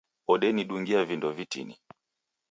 Odenidungia vindo vitini